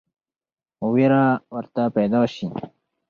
وېره ورته پیدا شي.